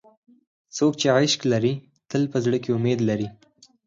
څوک چې عشق لري، تل په زړه کې امید لري.